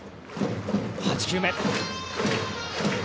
８球目。